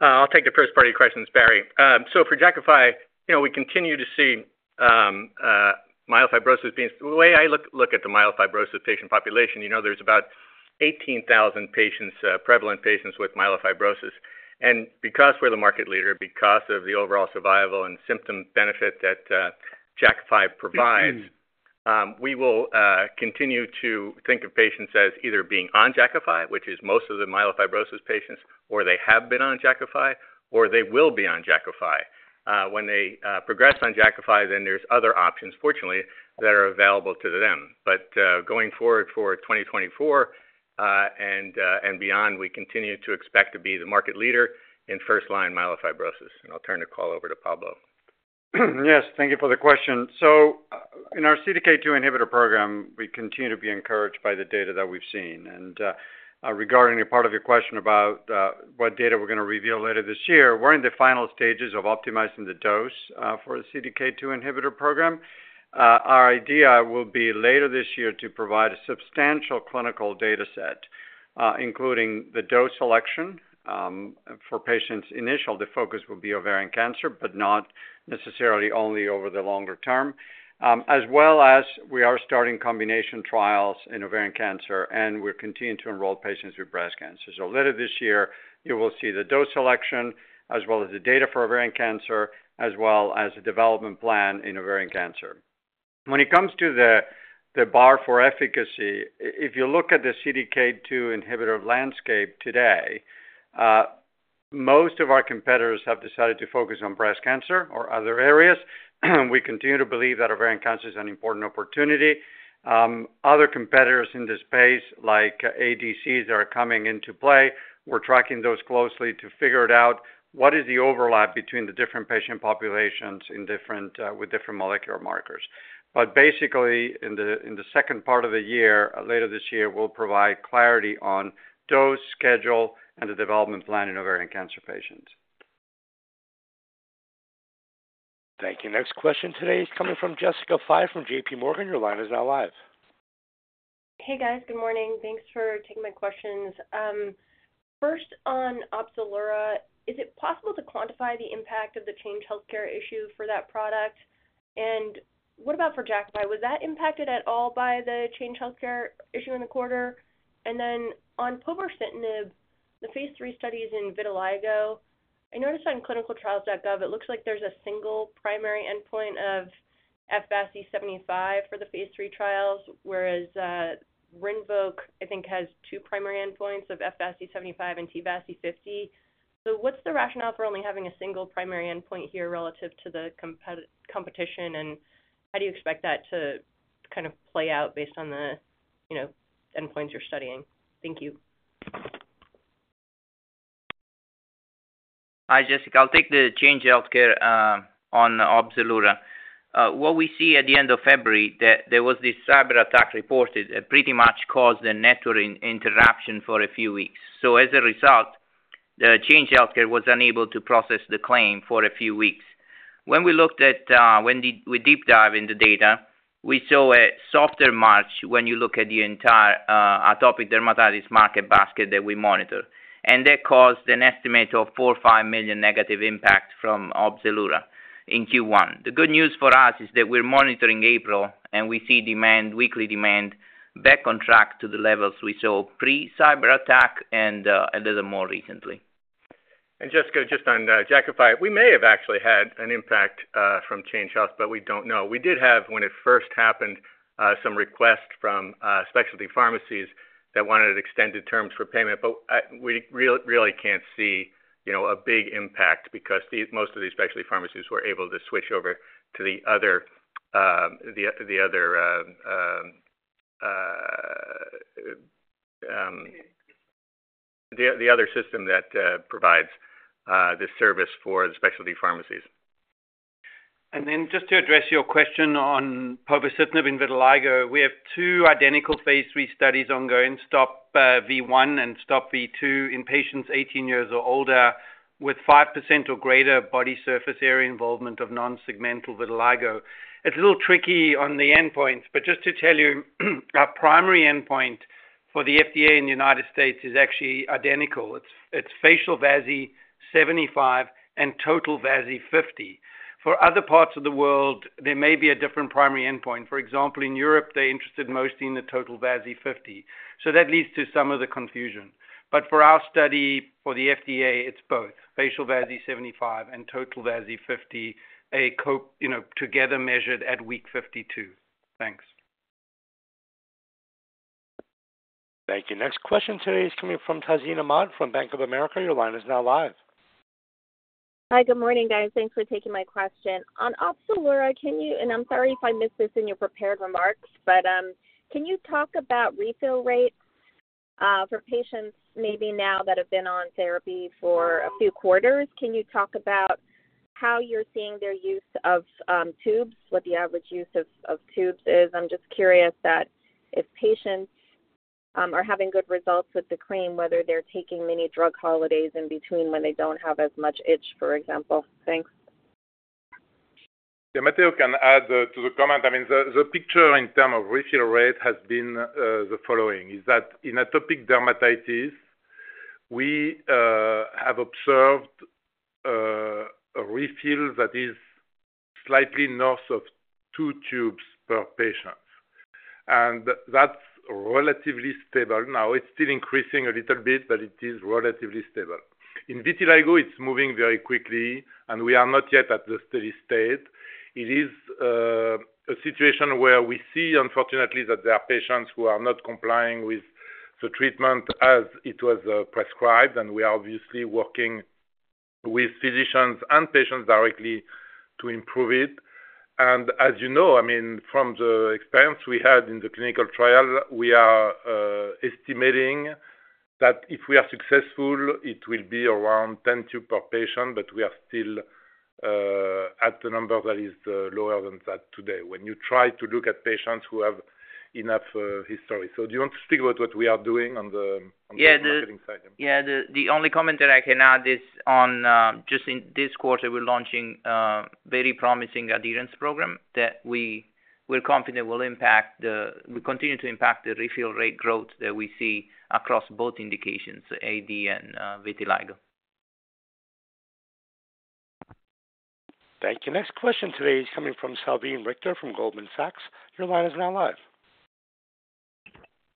[SPEAKER 10] I'll take the first part of your questions, Barry. So for Jakafi, you know, we continue to see myelofibrosis being, the way I look at the myelofibrosis patient population, you know, there's about 18,000 patients, prevalent patients with myelofibrosis. And because we're the market leader, because of the overall survival and symptom benefit that Jakafi provides, we will continue to think of patients as either being on Jakafi, which is most of the myelofibrosis patients, or they have been on Jakafi, or they will be on Jakafi. When they progress on Jakafi, then there's other options, fortunately, that are available to them. But going forward for 2024 and beyond, we continue to expect to be the market leader in first-line myelofibrosis, and I'll turn the call over to Pablo.
[SPEAKER 4] Yes, thank you for the question. So in our CDK2 inhibitor program, we continue to be encouraged by the data that we've seen. And, regarding a part of your question about what data we're gonna reveal later this year, we're in the final stages of optimizing the dose for the CDK2 inhibitor program. Our idea will be later this year to provide a substantial clinical dataset, including the dose selection for patients. Initial, the focus will be ovarian cancer, but not necessarily only over the longer-term. As well as we are starting combination trials in ovarian cancer, and we're continuing to enroll patients with breast cancer. So later this year, you will see the dose selection, as well as the data for ovarian cancer, as well as the development plan in ovarian cancer. When it comes to the bar for efficacy, if you look at the CDK2 inhibitor landscape today, most of our competitors have decided to focus on breast cancer or other areas. We continue to believe that ovarian cancer is an important opportunity. Other competitors in this space, like ADCs, are coming into play. We're tracking those closely to figure it out: What is the overlap between the different patient populations in different, with different molecular markers? But basically, in the second part of the year, later this year, we'll provide clarity on dose, schedule, and the development plan in ovarian cancer patients.
[SPEAKER 1] Thank you. Next question today is coming from Jessica Fye from JPMorgan. Your line is now live.
[SPEAKER 17] Hey, guys. Good morning. Thanks for taking my questions. First on Opzelura, is it possible to quantify the impact of the Change Healthcare issue for that product? And what about for Jakafi? Was that impacted at all by the Change Healthcare issue in the quarter? And then on povorcitinib, the phase III studies in vitiligo, I noticed on clinicaltrials.gov, it looks like there's a single primary endpoint of F-VASI 75 for the phase III trials, whereas Rinvoq, I think, has two primary endpoints of F-VASI 75 and T-VASI 50. So what's the rationale for only having a single primary endpoint here relative to the competition, and how do you expect that to kind of play out based on the, you know, endpoints you're studying? Thank you.
[SPEAKER 7] Hi, Jessica. I'll take the Change Healthcare on Opzelura. What we see at the end of February, that there was this cyberattack reported, that pretty much caused a network interruption for a few weeks. So as a result, the Change Healthcare was unable to process the claim for a few weeks. When we looked at when we deep dive in the data, we saw a softer March when you look at the entire atopic dermatitis market basket that we monitor. And that caused an estimate of $4 million, $5 million negative impact from Opzelura in Q1. The good news for us is that we're monitoring April, and we see demand, weekly demand back on track to the levels we saw pre-cyberattack and a little more recently.
[SPEAKER 10] Jessica, just on Jakafi, we may have actually had an impact from Change Healthcare, but we don't know. We did have, when it first happened, some requests from specialty pharmacies that wanted extended terms for payment, but we really can't see, you know, a big impact because most of the specialty pharmacies were able to switch over to the other system that provides this service for the specialty pharmacies.
[SPEAKER 8] Just to address your question on povorcitinib in vitiligo, we have two identical phase III studies ongoing, STOP V1 and STOP V2, in patients 18 years or older, with 5% or greater body surface area involvement of non-segmental vitiligo. It's a little tricky on the endpoints, but just to tell you, our primary endpoint for the FDA in the United States is actually identical. It's, it's facial VASI-75 and total VASI-50. For other parts of the world, there may be a different primary endpoint. For example, in Europe, they're interested mostly in the total VASI-50, so that leads to some of the confusion. But for our study, for the FDA, it's both, facial VASI-75 and total VASI-50, you know, together measured at week 52. Thanks.
[SPEAKER 1] Thank you. Next question today is coming from Tazeen Ahmad, from Bank of America. Your line is now live.
[SPEAKER 18] Hi, good morning, guys. Thanks for taking my question. On Opzelura, can you, and I'm sorry if I missed this in your prepared remarks, but can you talk about refill rates for patients maybe now that have been on therapy for a few quarters? Can you talk about how you're seeing their use of tubes, what the average use of tubes is? I'm just curious that if patients are having good results with the cream, whether they're taking many drug holidays in between when they don't have as much itch, for example. Thanks.
[SPEAKER 3] Yeah, Matteo can add to the comment. I mean, the picture in term of refill rate has been the following: is that in atopic dermatitis, we have observed a refill that is slightly north of two tubes per patient, and that's relatively stable. Now, it's still increasing a little bit, but it is relatively stable. In vitiligo, it's moving very quickly, and we are not yet at the steady state. It is a situation where we see, unfortunately, that there are patients who are not complying with the treatment as it was prescribed, and we are obviously working with physicians and patients directly to improve it. As you know, I mean, from the experience we had in the clinical trial, we are estimating that if we are successful, it will be around 10 tube per patient, but we are still at a number that is lower than that today. When you try to look at patients who have enough history. So do you want to speak about what we are doing on the marketing side?
[SPEAKER 7] Yeah. The only comment that I can add is on just in this quarter, we're launching a very promising adherence program that we're confident will impact, we continue to impact the refill rate growth that we see across both indications, AD and vitiligo.
[SPEAKER 1] Thank you. Next question today is coming from Salveen Richter, from Goldman Sachs. Your line is now live.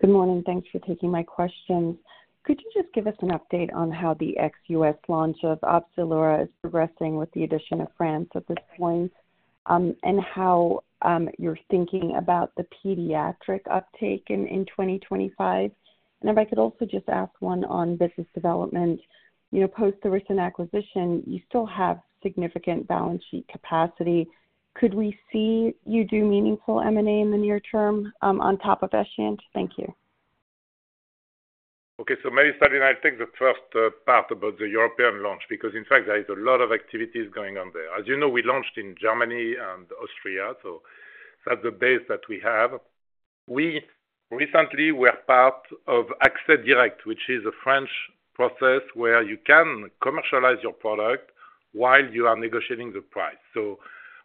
[SPEAKER 19] Good morning, thanks for taking my questions. Could you just give us an update on how the ex-U.S. launch of Opzelura is progressing with the addition of France at this point? And how you're thinking about the pediatric uptake in 2025? And if I could also just ask one on business development. You know, post the recent acquisition, you still have significant balance sheet capacity. Could we see you do meaningful M&A in the near-term, on top of Escient? Thank you.
[SPEAKER 3] Okay, so maybe, Salveen, I'll take the first part about the European launch, because in fact, there is a lot of activities going on there. As you know, we launched in Germany and Austria, so that's the base that we have. We recently were part of Accès Direct, which is a French process where you can commercialize your product while you are negotiating the price. So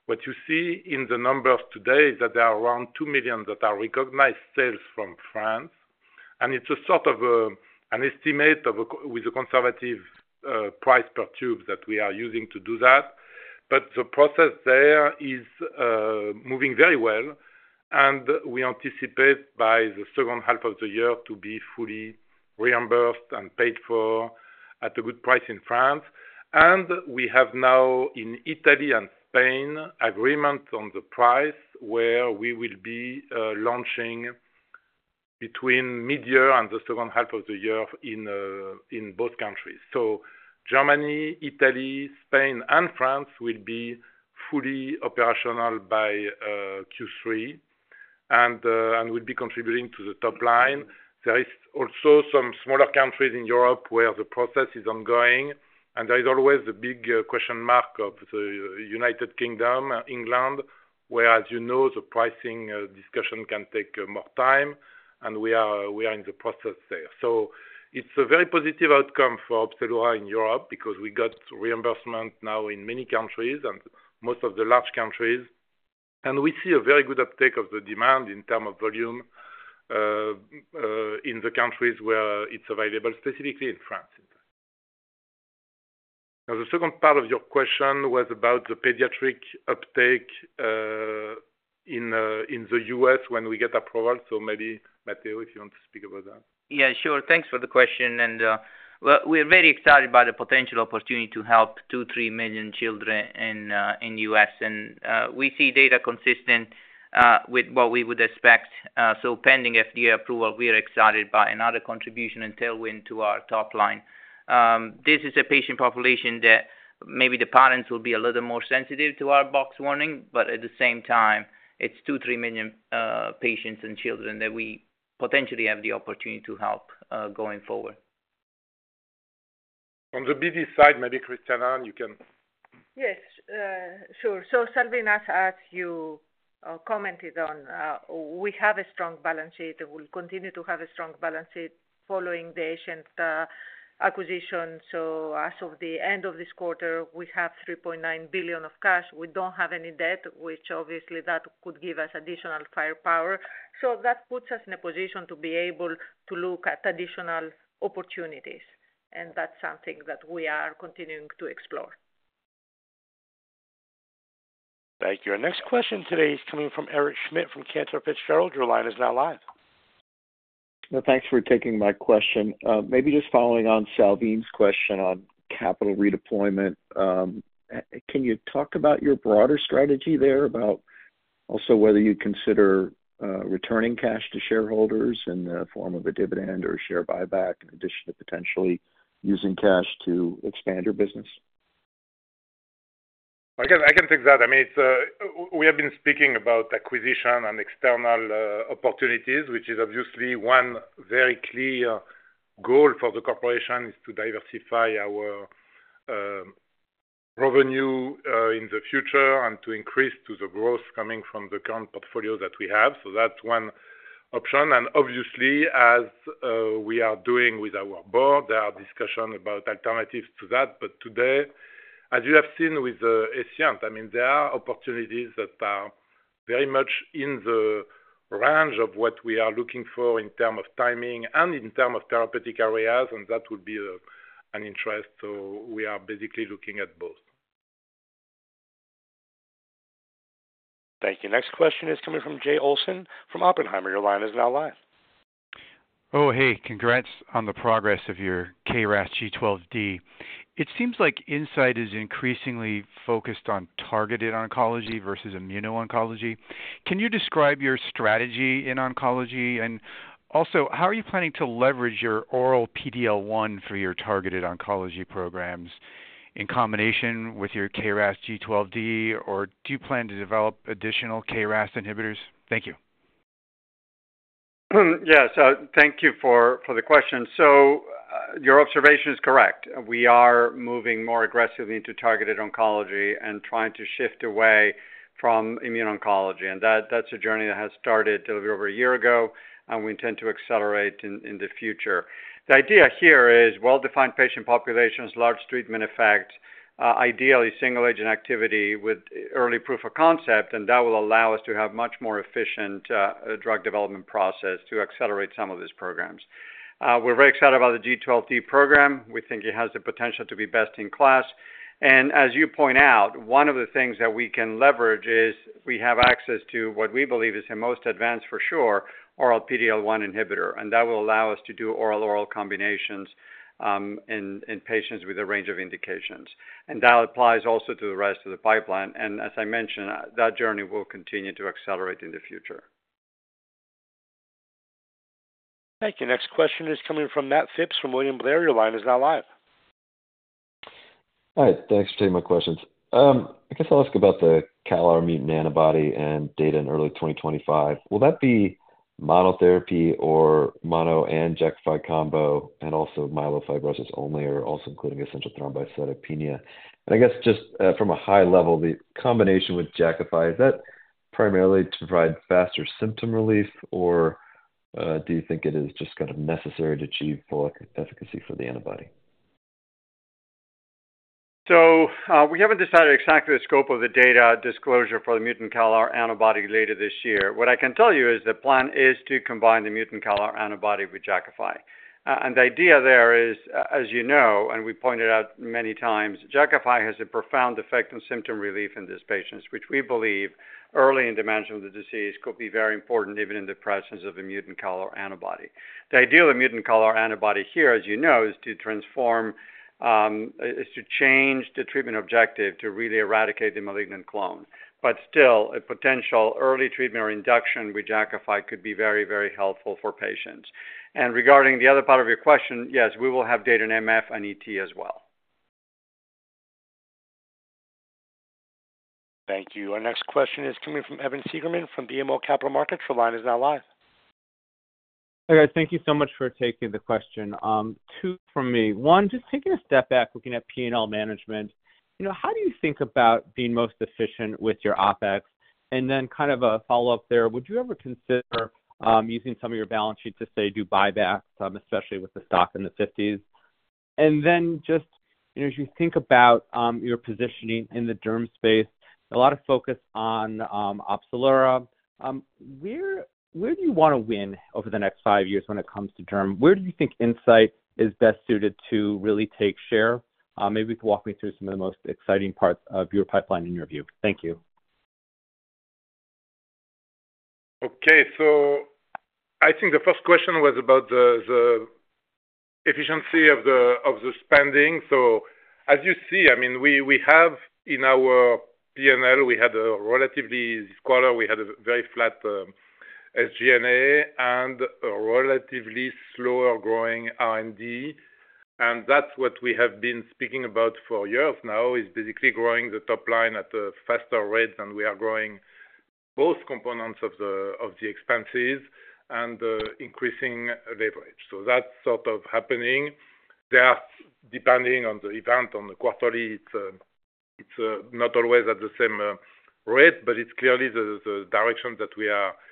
[SPEAKER 3] what you see in the numbers today is that there are around $2 million that are recognized sales from France, and it's a sort of an estimate of a conservative price per tube that we are using to do that. But the process there is moving very well, and we anticipate by the second half of the year to be fully reimbursed and paid for at a good price in France. We have now, in Italy and Spain, agreement on the price where we will be launching between midyear and the second half of the year in both countries. So Germany, Italy, Spain, and France will be fully operational by Q3, and will be contributing to the top line. There is also some smaller countries in Europe where the process is ongoing, and there is always a big question mark of the United Kingdom, England, where, as you know, the pricing discussion can take more time, and we are in the process there. So it's a very positive outcome for Opzelura in Europe, because we got reimbursement now in many countries and most of the large countries. We see a very good uptake of the demand in terms of volume in the countries where it's available, specifically in France. Now, the second part of your question was about the pediatric uptake in the U.S. when we get approval. So maybe, Matteo, if you want to speak about that?
[SPEAKER 7] Yeah, sure. Thanks for the question. Well, we're very excited about the potential opportunity to help 2 million, 3 million children in the U.S. We see data consistent with what we would expect. So pending FDA approval, we are excited by another contribution and tailwind to our top line. This is a patient population that maybe the parents will be a little more sensitive to our box warning, but at the same time, it's 2 million, 3 million patients and children that we potentially have the opportunity to help going forward.
[SPEAKER 3] On the busy side, maybe Christiana, you can.
[SPEAKER 5] Yes, sure. So Salvin, as you commented on, we have a strong balance sheet and we'll continue to have a strong balance sheet following the Asian acquisition. So as of the end of this quarter, we have $3.9 billion of cash. We don't have any debt, which obviously that could give us additional firepower. So that puts us in a position to be able to look at additional opportunities, and that's something that we are continuing to explore.
[SPEAKER 1] Thank you. Our next question today is coming from Eric Schmidt from Cantor Fitzgerald. Your line is now live.
[SPEAKER 20] Well, thanks for taking my question. Maybe just following on Savine's question on capital redeployment, can you talk about your broader strategy there, about also whether you'd consider returning cash to shareholders in the form of a dividend or a share buyback, in addition to potentially using cash to expand your business?
[SPEAKER 3] I can take that. I mean, it's, we have been speaking about acquisition and external, opportunities, which is obviously one very clear goal for the corporation, is to diversify our, revenue, in the future and to increase to the growth coming from the current portfolio that we have. So that's one option. And obviously, as, we are doing with our board, there are discussion about alternatives to that. But today, as you have seen with the Escient, I mean, there are opportunities that are very much in the range of what we are looking for in term of timing and in term of therapeutic areas, and that would be a, an interest. So we are basically looking at both.
[SPEAKER 1] Thank you. Next question is coming from Jay Olson from Oppenheimer. Your line is now live.
[SPEAKER 21] Oh, hey. Congrats on the progress of your KRAS G12D. It seems like Incyte is increasingly focused on targeted oncology versus immuno-oncology. Can you describe your strategy in oncology? And also, how are you planning to leverage your oral PD-L1 for your targeted oncology programs in combination with your KRAS G12D? Or do you plan to develop additional KRAS inhibitors? Thank you.
[SPEAKER 8] Yes, thank you for, for the question. So your observation is correct. We are moving more aggressively into targeted oncology and trying to shift away from immuno-oncology, and that, that's a journey that has started a little bit over a year ago, and we intend to accelerate in, in the future. The idea here is well-defined patient populations, large treatment effect, ideally single agent activity with early proof of concept, and that will allow us to have much more efficient, drug development process to accelerate some of these programs. We're very excited about the G12D program. We think it has the potential to be best in class. And as you point out, one of the things that we can leverage is we have access to what we believe is the most advanced, for sure, oral PD-L1 inhibitor. And that will allow us to do oral-oral combinations in patients with a range of indications. And that applies also to the rest of the pipeline. And as I mentioned, that journey will continue to accelerate in the future.
[SPEAKER 1] Thank you. Next question is coming from Matt Phipps, from William Blair. Your line is now live.
[SPEAKER 22] Hi, thanks for taking my questions. I guess I'll ask about the CALR mutant antibody and data in early 2025. Will that be monotherapy or mono and Jakafi combo, and also myelofibrosis only, or also including essential thrombocythemia? And I guess just, from a high level, the combination with Jakafi, is that primarily to provide faster symptom relief or, do you think it is just kind of necessary to achieve full efficacy for the antibody?
[SPEAKER 8] So, we haven't decided exactly the scope of the data disclosure for the mutant CALR antibody later this year. What I can tell you is the plan is to combine the mutant CALR antibody with Jakafi. And the idea there is, as you know, and we pointed out many times, Jakafi has a profound effect on symptom relief in these patients, which we believe early in the management of the disease could be very important, even in the presence of a mutant CALR antibody. The idea of the mutant CALR antibody here, as you know, is to transform, is to change the treatment objective to really eradicate the malignant clone. But still, a potential early treatment or induction with Jakafi could be very, very helpful for patients. And regarding the other part of your question, yes, we will have data in MF and ET as well.
[SPEAKER 1] Thank you. Our next question is coming from Evan Seigerman, from BMO Capital Markets. Your line is now live.
[SPEAKER 23] Hi, guys. Thank you so much for taking the question. Two from me. One, just taking a step back, looking at P&L management, you know, how do you think about being most efficient with your OpEx? And then kind of a follow-up there, would you ever consider, using some of your balance sheet to, say, do buybacks, especially with the stock in the fifties? And then just, you know, as you think about, your positioning in the derm space, a lot of focus on, Opzelura. Where, where do you wanna win over the next five years when it comes to derm? Where do you think Incyte is best suited to really take share? Maybe you could walk me through some of the most exciting parts of your pipeline in your view. Thank you.
[SPEAKER 3] Okay. So I think the first question was about the efficiency of the spending. So as you see, I mean, we have in our P&L, we had a relatively flat quarter. We had a very flat SG&A and a relatively slower growing R&D. And that's what we have been speaking about for years now, is basically growing the top line at a faster rate than we are growing both components of the expenses and increasing leverage. So that's sort of happening. That depending on the event, on the quarterly, it's not always at the same rate, but it's clearly the direction that we are taking.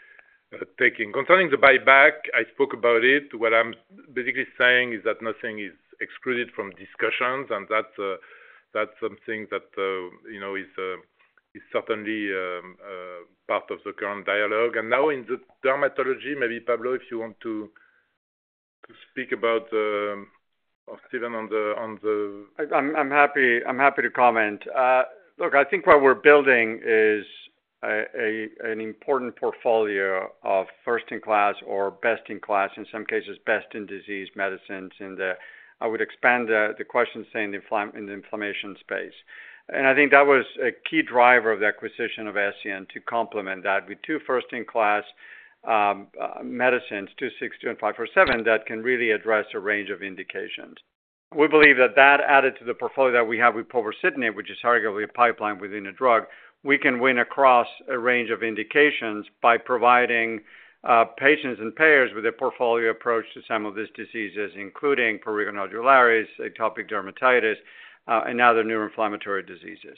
[SPEAKER 3] Concerning the buyback, I spoke about it. What I'm basically saying is that nothing is excluded from discussions, and that, that's something that, you know, is certainly part of the current dialogue. And now, in the dermatology, maybe Pablo, if you want to speak about, or Steven?
[SPEAKER 8] I'm happy to comment. Look, I think what we're building is an important portfolio of first-in-class or best-in-class, in some cases, best in disease medicines, and I would expand the question saying in the inflammation space. And I think that was a key driver of the acquisition of Escient to complement that with two first-in-class medicines, EP262 and EP547, that can really address a range of indications. We believe that that added to the portfolio that we have with povorcitinib, which is arguably a pipeline within a drug, we can win across a range of indications by providing patients and payers with a portfolio approach to some of these diseases, including prurigo nodularis, atopic dermatitis, and other neuroinflammatory diseases.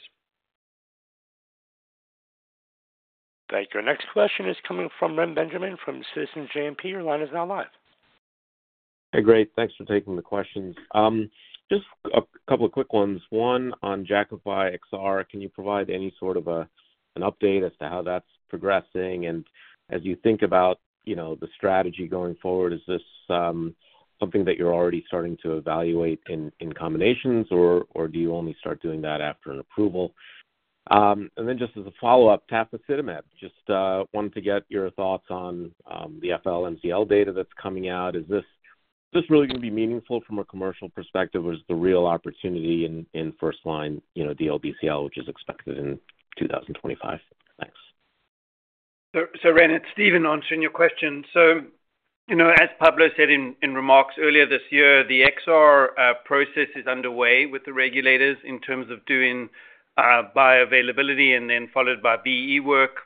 [SPEAKER 1] Thank you. Our next question is coming from Ren Benjamin from Citizens JMP. Your line is now live.
[SPEAKER 24] Hey, great. Thanks for taking the question. Just a couple of quick ones. One, on Jakafi XR, can you provide any sort of update as to how that's progressing? And as you think about, you know, the strategy going forward, is this something that you're already starting to evaluate in combinations, or do you only start doing that after an approval? And then just as a follow-up, tafasitamab, just wanted to get your thoughts on the FL-MCL data that's coming out. Is this really gonna be meaningful from a commercial perspective, or is the real opportunity in first line, you know, DLBCL, which is expected in 2025? Thanks.
[SPEAKER 8] So, Ren, it's Steven answering your question. So, you know, as Pablo said in remarks earlier this year, the XR process is underway with the regulators in terms of doing bioavailability and then followed by BE work.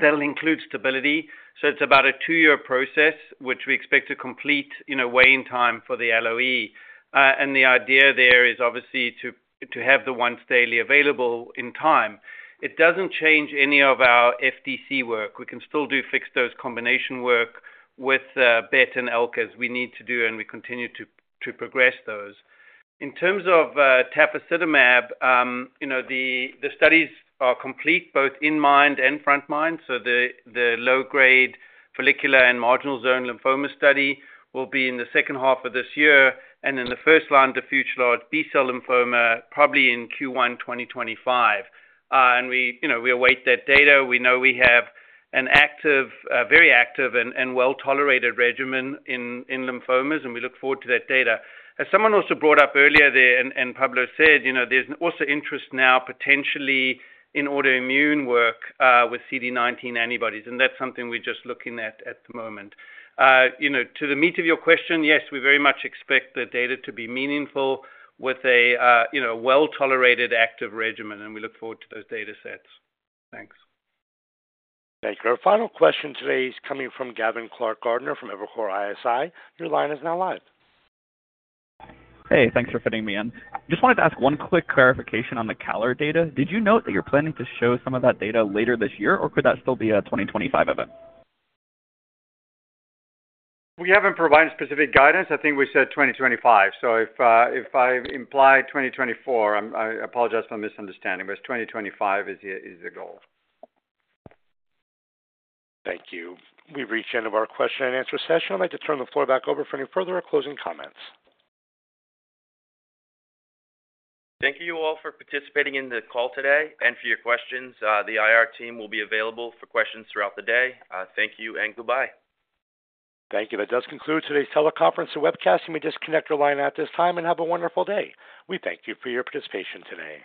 [SPEAKER 8] That'll include stability, so it's about a two-year process, which we expect to complete in a way in time for the LOE. And the idea there is obviously to have the once daily available in time. It doesn't change any of our FDC work. We can still do fixed dose combination work with BET and ELK as we need to do, and we continue to progress those. In terms of tafasitamab, you know, the studies are complete, both inMIND and frontMIND. So the low-grade follicular and marginal zone lymphoma study will be in the second half of this year, and in the first line, diffuse large B-cell lymphoma, probably in Q1 2025. And we, you know, we await that data. We know we have an active, very active and well-tolerated regimen in lymphomas, and we look forward to that data. As someone also brought up earlier there and Pablo said, you know, there's also interest now potentially in autoimmune work with CD19 antibodies, and that's something we're just looking at the moment. You know, to the meat of your question, yes, we very much expect the data to be meaningful with a you know, well-tolerated, active regimen, and we look forward to those data sets.
[SPEAKER 24] Thanks.
[SPEAKER 1] Thank you. Our final question today is coming from Gavin Clark-Gartner, from Evercore ISI. Your line is now live.
[SPEAKER 25] Hey, thanks for fitting me in. Just wanted to ask one quick clarification on the CALR data. Did you note that you're planning to show some of that data later this year, or could that still be a 2025 event?
[SPEAKER 8] We haven't provided specific guidance. I think we said 2025. So if I implied 2024, I'm, I apologize for the misunderstanding, but 2025 is the goal.
[SPEAKER 1] Thank you. We've reached the end of our question-and-answer session. I'd like to turn the floor back over for any further closing comments.
[SPEAKER 2] Thank you all for participating in the call today and for your questions. The IR team will be available for questions throughout the day. Thank you and goodbye.
[SPEAKER 1] Thank you. That does conclude today's teleconference and webcast. You may disconnect your line at this time and have a wonderful day. We thank you for your participation today.